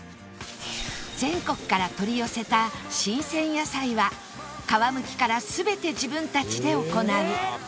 全国から取り寄せた新鮮野菜は皮むきから全て自分たちで行う